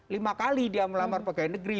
lima kali dia melamar pegawai negeri